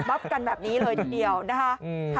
กันแบบนี้เลยทีเดียวนะคะ